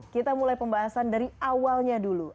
kita mulai pembahasan dari awalnya dulu